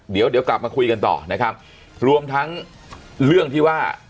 เดี๋ยวเดี๋ยวกลับมาคุยกันต่อนะครับรวมทั้งเรื่องที่ว่า